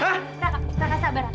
tak tak tak sabar